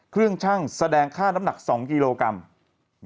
เครื่องชั่งแสดงค่าน้ำหนัก๒กิโลกรัม